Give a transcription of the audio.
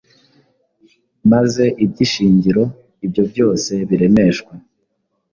maze iby’ishingiro, ibyo byose biremeshwa,